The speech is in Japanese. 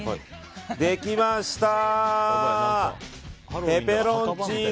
できました！